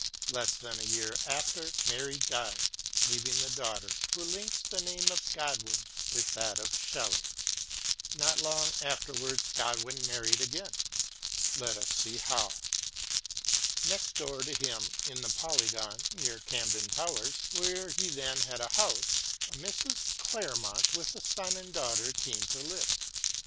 Less than a year after, Mary died leaving the daughter who links the name of Godwin with that of SheUey. Not long afterwards Godwin married again. Let us see how. Next door to him in the Polygon, near Camden Town, where he then had a house, a Mrs. Clairmont with a son and daughter came to live.